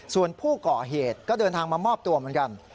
ส่วนผู้ก่อเหตุก็เดินทางมามอบตัวเหมือนกัน